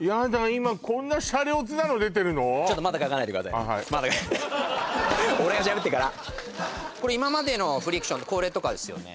今こんなシャレオツなの出てるのはいまだ俺がしゃべってからこれ今までのフリクションってこれとかですよね